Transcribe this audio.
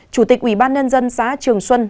chủ tịch ủy ban nhân dân xã trường xuân